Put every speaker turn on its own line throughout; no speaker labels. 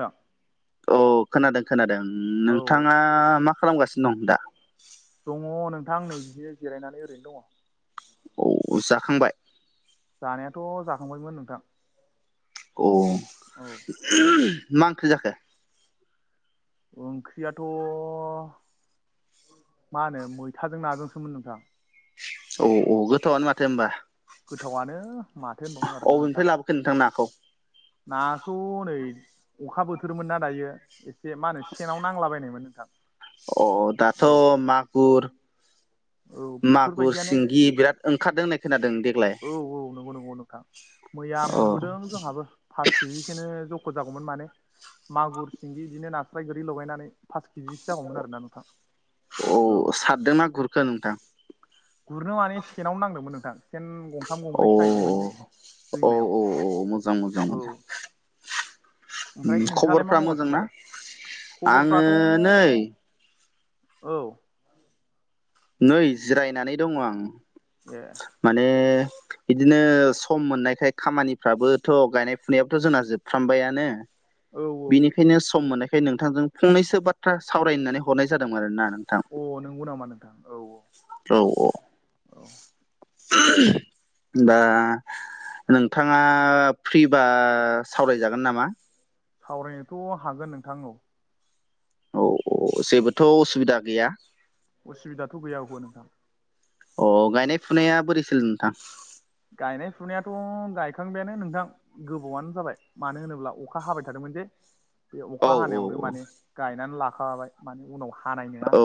नोंथां
औ खोनादों खोनादों
औ
नोंथाङा मा खालामगासिनो दं दा
दङ नोंथां नै बिदि जिरायनानै ओरैनो दङ
औ जाखांबाय
जानायाथ' जाखांबायमोन नोंथां
अ
औ
मा ओंख्रि जाखो
ओंख्रियाथ' मा होनो मैथाजों नाजोंसोमोन नोंथां
औ औ गोथावआनो माथो होनोमबा
गोथावनो
अबेनिफ्राय लाबोगो नोंथां नाखौ
नाखौ हनै अखा बोथोरमोन नना दायो एसे मा होनो सेनाव नांलाबायनायमोन नोंथां
अ दाथ'
औ
मागुर
औ
मागुर
बेफोरबायदियानो
सिंगि बिराद ओंखारदों होननाय खोनादों देग्लाय
औ औ नंगौ नंगौ नोंथां मैया
अ
मोनबोदों जोंहाबो फास केजिसोनो जख' जागौमोन माने मागुर सिंगि बिदिनो नास्राय गोरि लगायनानै पास केजिसो जागौमोन आरोना नोंथां औ
हारदों नना गुरखो नोंथां
गुरनो माने सेनावनो नांदोंमोन नोंथां सेन गं थाम
औ
गंब्रै साहैदोंमोन जे
औ
दैमायाव
औ औ मोजां मोजां
औ
मोजां
ओमफ्राय नोंथाङालाय मा
खबरफ्रा मोजां
मावगासिनो
ना?
दालाय
आङो
खबरफ्राथ'
नै
औ
नै जिरायनानै दङ आं
ए
माने बिदिनो सम मोननायखाय खामानिफ्राबोथ' गायनाय फुनायाबथ' जोंना जोबफ्रामबायानो
औ
बेनिखायनो सम मोननायखाय नोंथांजों फंनैसो बाथ्रा सावरायनानै हरनाय जादोंमोन आरोना नोंथां
अ नंगौ नामा नोंथां औ
औ औ
औ
दा नोंथाङा फ्रिबा सावरायजागोन नामा?
सावरायनोथ' हागोन नोंथां औ
औ औ जेबोथ' उसुबिदा गैया
असुबिदाथ' गैया हौवा नोंथां
अ गायनाय फुनाया बोरैसिल नोंथां
गायनाय फुनायाथ' गायखांबायानो नोंथां गोबावानो जाबाय, मानो होनोब्ला अखा हाबाय थादोंमोन जे बे
औ
अखा
औ
हानायावनो माने
औ
गायनानै लाखाबाय माने उनाव हा
औ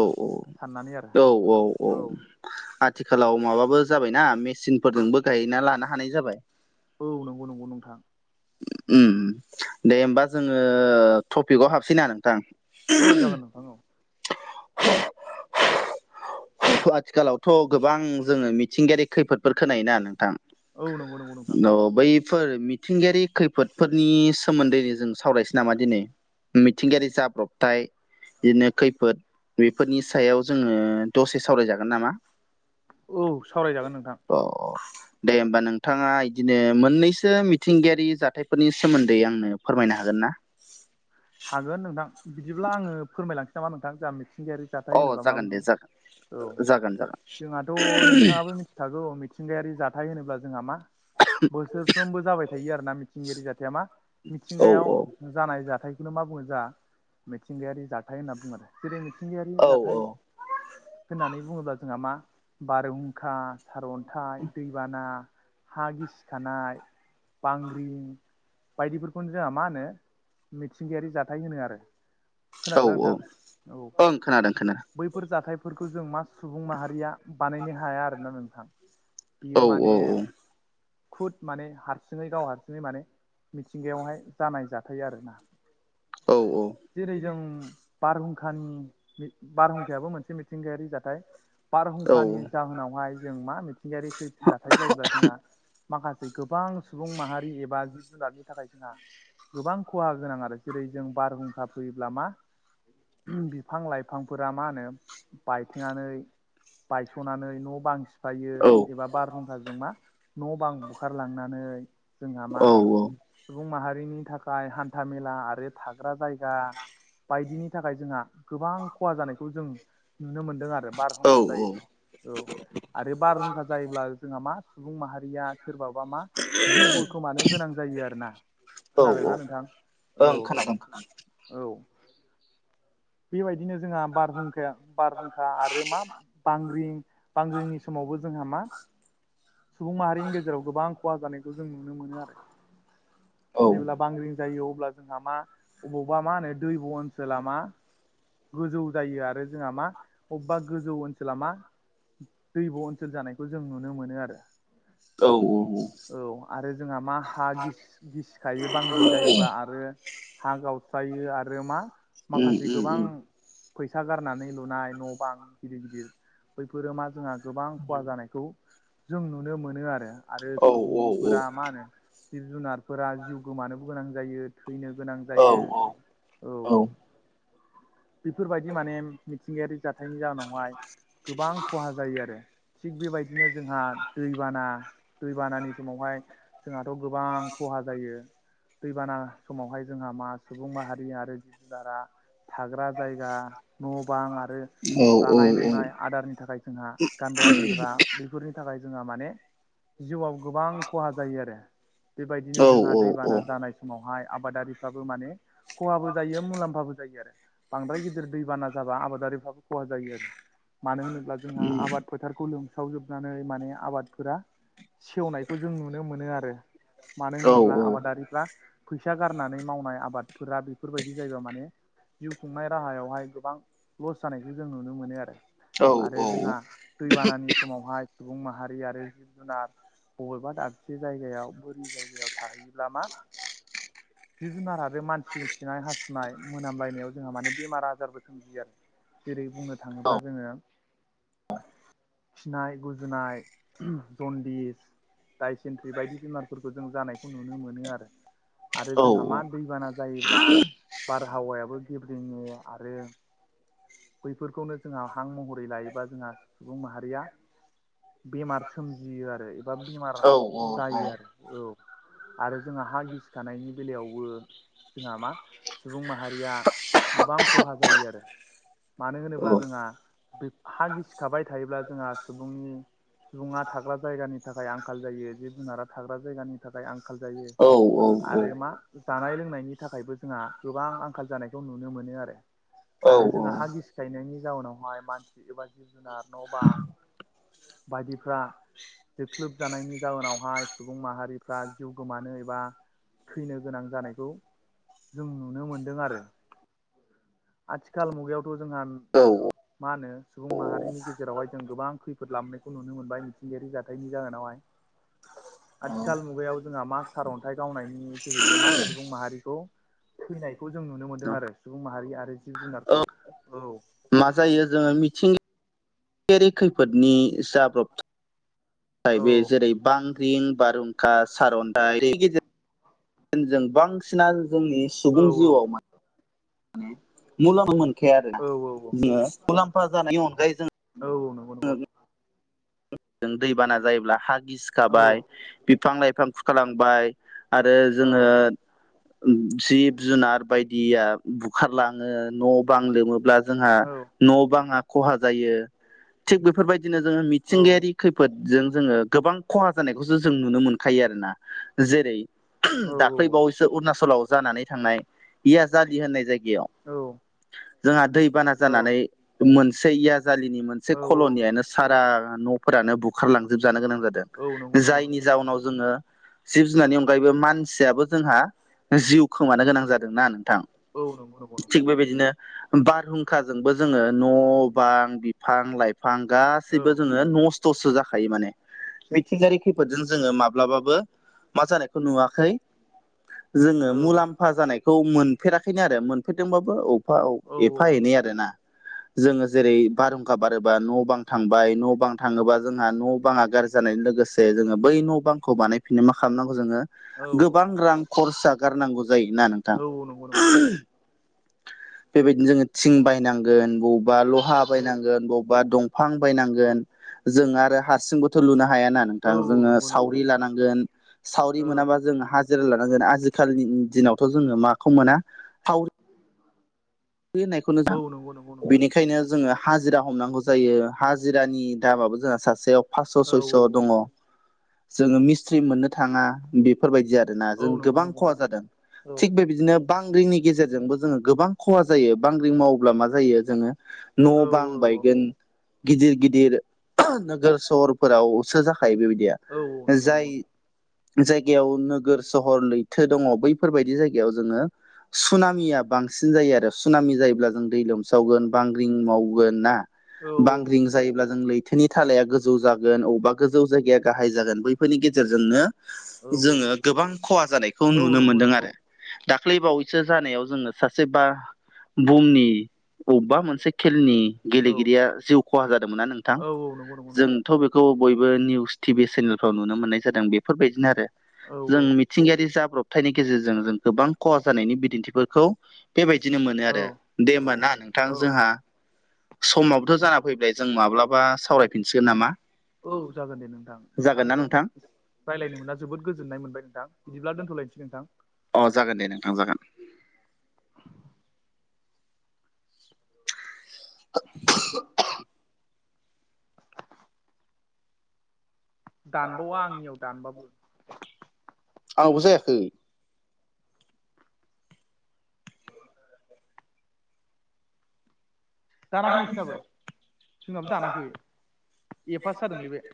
औ औ औ औ आथिखालाव माबाबो जाबायना मेचिनफोरजोंबो गायना लानो हानाय जाबाय।
औ नंगौ नंगौ नोंथां।
ओम दे होमबा जोङो टपिकआव हाबसैना नोंथां
औ जागोन नोंथां औ
आथिखालावथ' गोबां जोङो मिथिंगायारि खैफोदफोर खोनायोना नोंथां
औ नंगौ नंगौ नोंथां
औ बैफोर मिथिंगायारि खैफोदफोरनि सोमोन्दैनो जों सावरायसै नामा दिनै मिथिंगायारि जाब्रबथाय बिदिनो खैफोद बेफोरनि सायाव जोङो दसे सावरायजागोन नामा?
औ सावरायजागोन नोंथां।
अ दे होमबा नोंथाङा इदिनो मोननैसो मिथिंगायारि जाथायफोरनि सोमोन्दै आंनो फोरमायनो हागोन ना?
हागोन नोंथां। बिदिब्ला आङो फोरमायलांसै नामा नोंथां जा मिथिंगायारि जाथाय
अ
होनोबा
जागोन दे
माबायदि।
जागोन
औ
जागोन जागोन
जोंहाथ' नोंथाङाबो मिथि खागौ औ मिथिंगायारि जाथाय होनोब्ला जोंहा मा बोसोरफ्रोमबो जाबाय थायो आरोना। मिथिंगायारि जाथाया मा
औ
मिथिंगायाव जानाय जाथाय बेखौ मा बुङो जा मिथिंगायारि जाथाय होनना बुङो आरो जेरै मिथिंगायारि
औ
जाथाय होननानै बुङोब्ला जोंहा मा बारहुंखा सारअन्थाइ, दैबाना, हा गिसिखानाय बांग्रिं बायदिफोरखौनो जोंहा मा होनो सिंगिायारि जाथाय होनो आरो
औ
खोनादोंना
औ
नोंथां? औ
ओं खोनादों खोनादों
बैफोर जाथायफोरखौ जों मा सुबुं माहारिया बानायनो हाया आरोना नोंथां। बियो
औ
माने खुद माने हारसिङै गाव हारसिङै माने मिथिंगायावहाय जानाय जाथाय आरोना
औ
जेरै जों बारहुंखानि बारहुंखायाबो मोनसे मिथिंगायारि जाथाय।
औ
बारहुंखानि जाहोनावहाय जों मा मिथिंगायारि जाथाय जायोबा जोंहा माखासे गोबां सुबुं माहारि एबा जिब जुनारनि थाखाय जोंहा गोबां खहा गोनां आरो जेरै-जों बारहुंखा फैयोब्ला मा बिफां लाइफांफोरा मा होनो बायथेनानै बायस'नानै न' बां सिफायो
औ
एबा बारहुंखाजों मा न' बां बुखारलांनानै जोंहा मा
औ
सुबुं माहारिनि थाखाय हान्था मेला आरो थाग्रा जाय गा बायदिनि थाखाय जोंहा गोबां खहा जानायखौ जों नुनो मोनदों
औ
बारहुंखा जायोब्ला औ आरो बारहुंखा जायोब्ला जोंहा मा सुबुं माहारिया सोरबाबा मा जिउबो खोमानो गोनां जायो आरोना।
औ
खोनादोंना नोंथां? औ
ओं खोनादों खोनादों
औ बेबायदिनो जोंहा बारहुंखाया बारहुंखा आरो मा बांग्रिं बांग्रिंनि समावबो जोंहा मा सुबुं माहारिनि गेजेराव गोबां खहा जानाय जों नुनो मोनो आरो।
खोनादों औ
जेब्ला बांग्रिं जायो अब्ला जोंहा मा अबावबा मा होनो दैब' ओनसोला मा गोजौ जायो आरो जोंहा मा अबेबा गोजौ ओनसोला मा दैब' ओनसोल जानायखौ जों नुनो मोनोआरो।
औ औ औ
औ आरो जोंहा मा हा गिसिखायो बांग्रिं जायोबा आरो हा गावस्रायो आरो मा
उम
माखासे
उम
गोबां
उम
फैसा गारनानै लुनाय न' बां गिदिर गिदिर बैफोरो मा जोंहा गोबां खहा जानायखौ जों नुनो मोनो आरो आरो
औ औ
सुबुंफोरा मा होनो। जिब जुनारफोरा जिउ गोमानोबो गोनां जायो थैनो गोनां।
औ
जायो। औ बेफोरबायदि माने मिथिंगायारि जाथायनि जाउनावहाय गोबां खहा जायोआरो। थिग बेबायदिनो जोंहा दैबाना दैबानानि समावहाय जोंहाथ' गोबां खहा जायो दैबाना समावहाय जोंहा मा सुबुं माहारि आरो जिब जुनारा थाग्रा जायगा न' बां आरो
औ उम औ
जानाय लोंनाय आदारनि थाखाय जोंहा गानग्रा जोमग्रा बेफोरनि थाखाय जोंहा माने जिउआव गोबां खहा जायो आरो बेबायदिनो
औ
जोंहा दैबाना
औ
जानाय समावहाय आबादारिफ्राबो माने खहाबो जायो मुलाम्फाबो जायो आरो बांद्राय गिदिर दैबाना जाबा आबादारिफ्राबो खहा जायो आरो मानो होनोब्ला जोंहा
औ औ
आबाद फोथारखौ लोमस्रावजोबनानै माने आबादफोरा सेवनायखौ जों नुनो मोनो आरो। मानो होनोब्ला आबादारिफ्रा फैसा गारनानै मावनाय आबादफोरा बेफोरबायदि जायोबा माने। जिउ खुंनाय राहायावहाय गोबां लस जानायखौ जों नुनो मोनो आरो। आरो जोंहा दैबानानि समावहाय सुबुं माहारि आरो जिब जुनार बबेबा दाबसे जायगायाव बोरि जायगायाव थाहैयोब्ला मा जिब जुनारा बे मानसिनि खिनाय हासुनाय मोनामलायनायाव जोंहा माने बेमार आजारबो सोमजियो आरो। जेरै बुंनो थाङोब्ला जोङो। खिनाय, गुजुनाय, जन्दिस दायसेन्ट्रि बायदि बेमारफोरखौ जों जानायखौ नुनो मोनो आरो। आरो जोंहा मा दैबाना जायोब्ला बारहावायाबो गेब्रेङो आरो। बैफोरखौनो जोंहा हां महरै लायोबा जोंहा सुबुं माहारिया। बेमार सोमजियो आरो एबा बेमार जायो आरो। औ आरो जोंहा हा गिसिखानायनि बेलायावबो जोंहा मा। सुबुं माहारिया गोबां खहा जायो आरो मानो होनोब्ला जोंहा। हा गिसिखाबाय थायोब्ला जोंहा सुबुंनि सुबुङा थाग्रा जायगानि थाखाय आंखाल जायो जिब जुनारा थाग्रा जायगानि थाखाय आंखाल जायो।
औ।
आरो मा जानाय लोंनायनि थाखायबो जोंहा गोबां आंखाल जानायखौ नुनो मोनो आरो। आरो जोंहा हा गिसिखायनायनि जाउनावहाय मानसि एबा जिब जुनार न' बां। बायदिफ्रा। जोख्लोब जानायनि जाहोनावहाय सुबुं माहारिफ्रा जिउ गोमानो एबा थैनो गोनां जानायखौ जों नुनो मोनदों आरो। आथिखाल मुगायावथ' जोंहा मा होनो सुबुं माहारिनि गेजेरावहाय जों गोबां खैफोद लाबोनायखौ नुनो मोनबाय मिथिंगायारि जाथायनि जाहोनावहाय। आथिखाल मुगायाव जोंहा मा सार अन्थाइ गावनायनि जोहैबो मा सुबुं माहारिखौ थैनायखौ जों नुनो मोन्दों आरो सुबुं माहारि आरो जिब जुनारखौ औ।
मा जायो जोङो मिथिंगायाव। भिथिंगातारि खैफोदनि जाब्राबथाय।
औ
बे जेरै बांग्रिं बारहुंखा सार अन्थाइ गेजेर जों बांसिना जोंनि
औ
सुबुं जिउआव माने मुलाम्फा मोनखाया आरोना
औ औ
जोङो मुलाम्फा जानायनि अनगायै जोङो
औ नंगौ नंगौ।
जों दैबाना जायोब्ला हा
औ
गिसिखाबाय बिफां लाइफां खुरखालांबाय। आरो
औ
जोङो। जिब जुनार बायदिया बुखारलाङो न' बां लोमोब्ला जोंहा
औ
न' बाङा खहा जायो, थिग बेफोरबायदिनो जोङो मिथिंगायारि खैफोदजों जोङो गोबां खहा जानायखौसो जों नुनो मोनखायो आरोना, जेरै
औ
दाख्लै
औ
बावैसो अरुणचलाव जानानै थांनाय इयाजालि होननाय जायगयाव।
औ
जोंहा दैबाना
औ
जानानै मोनसे यजालिनि मोनसे
औ
कल'नियानो सारा न'फोरानो बुखारलांजोबजानो गोनां जादों
औ नंगौ नंगौ
जायनि
नोंथां
जाउनाव जोङो जिब जुनारनि अनगायैबो मानसियाबो जोंहा जिउ खोमानो गोनां जादोंना नोंथां
औ नंगौ नंगौ
थिग
नोंथां
बेबायदिनो बारहुंखाजोंबो जोङो न' बां बिफां लाइफां
औ
गासिबो नस्थ'सो जाखायो माने, मिथिंगायारि खैफोदजों जोङो माब्लाबाबो मा जानायखौ नुवाखै जोङो
औ
मुलाम्फा जानायखौ मोनफेराखैनो आरो मोनफेरदोंबाबो एफा एनै आर ना जोङो जेरै बारहुंखा बारोबा न' बां थांबाय न' बां थाङोबा जोंहा न' बाङा गाज्रि जानायनि लोगोसे जोङो बै न' बांखौ बानायफिननो मा खालामनांगौ जोङो
औ
गोबां रां खरसा गारनांगौ जायोना नोंथां।
औ नंगौ नंगौ
बेबायदिनो जोङो थिं बायनांगोन बब बा लहा
औ
बायनांगोन बबबा दंफां बायनांगोन जों आरो हारसिं बो थ लुनो हायाना
औ
नोंथां, जोङो
नंगौ नंगौ
सावरि
नोंथां
लानांगोन सावरि
औ
मोनाब्ला जों हा लानांगोन आजिखालिनि दिनावथ' जोङो माखौ मोना साव रि होननायखौनोजा
औ नंगौ नंगौ नोंथां
बेनिखायनो बेखायनो जोङो हाजिरा हमनांगौ जायो हाजिरानि दामाबो जोंहा सासेयाव फास्स'
औ
सयस' दङ, जोङो मिस्थ्रि मोननो थाङा बेफोरबायदि आरो। ना
औ
जों
नंगौ
गोबां
नंगौ
खहा
नोंथां
जादों।
औ
थिग बेबायदिनो बां रिंनि गेजेरजोंबो जोङो गोबां खहा जायो बांग्रिं मावोब्ला मा जायो जोङो
औ नंगौ औ
न' बां बायगोन गिदिर गिदिर नोगोर सहरफोरावसो जाखायो बेबायदिया,
औ नंगौ नंगौ औ नंगौ नोंथां औ
जाय जायगायाव नोगोर सहर लैथो दङ बैफोरबायदि जायगायाव जोङो सनामिया बांसि सिन जायो आरो सुनामि जायोब्ला जों दै लोमसावगोन बांग्रिं मावगोन ना?
औ।
बांग्रिं जायोब्ला जों लैथोनि थालाया गोजौ जागोन अबेबा गोजौ जायगाया गाहाय जागोन बैफोरनि गेजेरजोंनो जोङो गोबां खहा जानायखौ नुनो मोनदों आरो। दाख्लै बावैसो जानायाव जोङो सासे बा बुहुमनि अबबा मोनसे खेलनि गेलेगिरिया जिउ खहा जादोंमोनना नोंथां, जों थ बेखौ बयबो निउस टिभि सेनेलफ्राव नुनो मोननाय जादों बेफोरबायदिनो आरो जों मि थिंगायारि जाब्रबथायनि गेजेरजों जों गोबां खहा जानायनि बिदिन्थिफोरखौ बेबायदिनो मोनो आरो
औ
दे होमबा ना नोंथां
औ
जोंहा समाबोथ' जाना फैल जों माब्लाबा सावरायफिनसिगोन नामा?
औ जागोन दे नोंथां
जागोन ना
नोंथांजों
नोंथां
रायलायनो मोना जोबोद गोजोननाय मोनबाय नोंथां बिदिब्ला दोनथ'लायसै नोंथां।
अ जागोन दे नोंथां जागोन।
[inaudible] दानबावा आंनियाव दानबाबो।
आवबो जायाखै।
दानाखै नोंसिनाबो जोंनाबो दानाखै एफास जादोंलै बे।